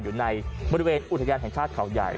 อยู่ในบริเวณอุทยานแห่งชาติเขาใหญ่